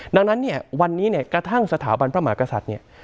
ดังนั้นเนี่ยวันนี้เนี่ยกระทั่งสถาบันพระมหากษัตริย์เนี่ย